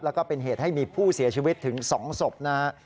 แล้วก็เป็นเหตุให้มีผู้เสียชีวิตถึง๒ศพนะฮะ